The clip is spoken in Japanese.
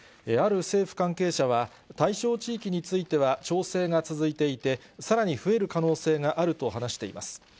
ある政府関係者は、対象地域については調整が続いていて、さらに増える可能性があると話しています。